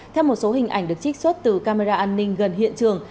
theo một số hình ảnh được trích xuất từ camera an ninh gần hiện trường